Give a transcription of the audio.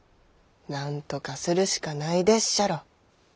なんとかするしかないでっしゃろ。